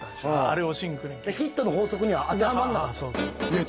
あれをシングルヒットの法則には当てはまんなかったんですね